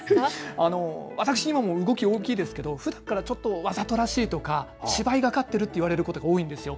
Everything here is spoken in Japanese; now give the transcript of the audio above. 私、動き大きいんですが、ふだんからちょっと、わざとらしいとか、芝居がかってるって言われること多いんですよ。